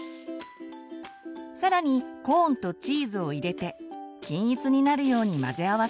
さらにコーンとチーズを入れて均一になるように混ぜ合わせます。